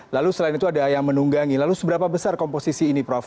lalu selain itu ada yang menunggangi lalu seberapa besar komposisi ini prof